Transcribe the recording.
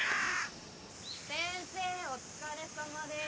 先生お疲れさまです。